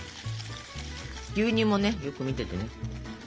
牛乳もねよく見ててね。